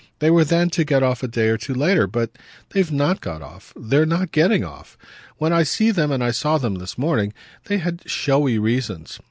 They were then to get off a day or two later. But they've not got off they're not getting off. When I see them and I saw them this morning they have showy reasons.